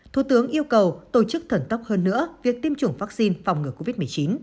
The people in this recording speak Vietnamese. thủ tướng yêu cầu tổ chức thần tốc hơn nữa việc tiêm chủng vaccine phòng ngừa covid một mươi chín